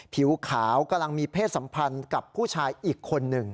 ผิวขาวกำลังมีเพศสัมพันธ์กับผู้ชายอีกคนหนึ่ง